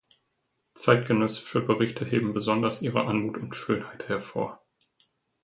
Zeitgenössische Berichte heben besonders ihre Anmut und Schönheit hervor.